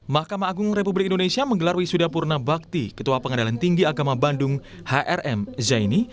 mahkamah agung republik indonesia menggelar wisuda purna bakti ketua pengadilan tinggi agama bandung hrm zaini